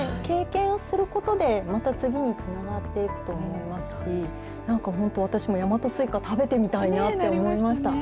経験することで、また次につながっていくと思いますし、なんか本当、私も大和スイカ、食べてみたいなって思いました。